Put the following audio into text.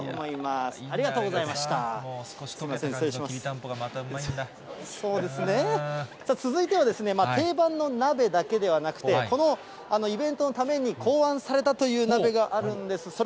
きりたんぽがいっぱい入って続いては、定番の鍋だけではなくて、このイベントのために考案されたという鍋があるんです。